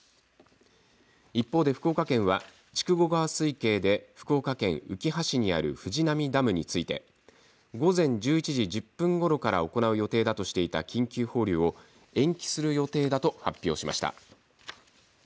一方で福岡県は筑後川水系で福岡県うきは市にある藤波ダムについて午前１１時１０分ごろから行う予定だとしていた緊急放流を延期する予定だと発表しました。